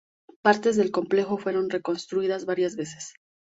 Partes del complejo fueron reconstruidas varias veces.